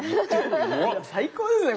最高ですね